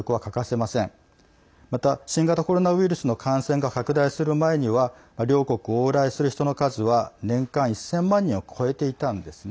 また、新型コロナウイルスの感染が拡大する前には両国を往来する人の数は年間１０００万人を超えていたんですね。